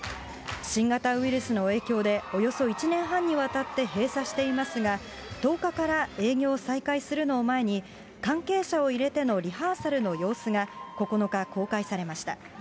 新型ウイルスの影響で、およそ１年半にわたって閉鎖していますが、１０日から営業を再開するのを前に、関係者を入れてのリハーサルの様子が９日、公開されました。